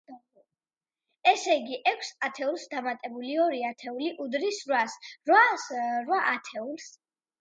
ესე იგი, ექვს ათეულს დამატებული ორი ათეული უდრის რვას, რვა ათეულს.